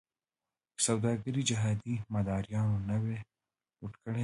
که سوداګري جهادي مداریانو نه وی لوټ کړې.